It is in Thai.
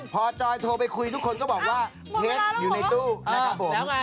พอจอยโทรไปคุยทุกคนก็บอกว่าเคสอยู่ในตู้นะครับผม